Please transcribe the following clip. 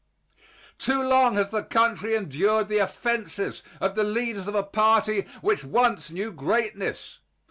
Too long has the country endured the offenses of the leaders of a party which once knew greatness.